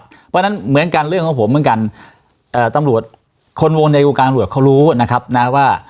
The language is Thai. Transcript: เพราะฉะนั้นเหมือนกันเรื่องของผมเหมือนกันเอ่อตำรวจคนวงในวงการตำรวจเขารู้นะครับนะว่า